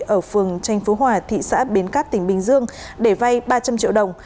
ở phường tranh phú hòa thị xã bến cát tỉnh bình dương để vay ba trăm linh triệu đồng